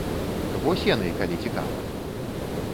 Вось яны, калі цікава!